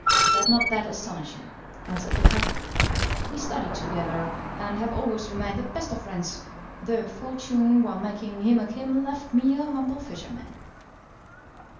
"Let not that astonish you," answered the Caliph; "we studied together, and have always remained the best of friends, though fortune, while making him a king, left me a humble fisherman."